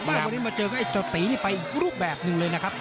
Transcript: แต่วันนี้มาเจอกับไอ้เจ้าตีนี่ไปอีกรูปแบบหนึ่งเลยนะครับ